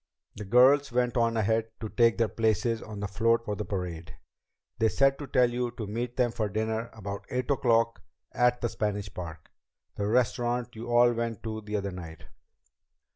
The girls went on ahead to take their places on the float for the parade. They said to tell you to meet them for dinner about eight o'clock at the Spanish Park, the restaurant you all went to the other night."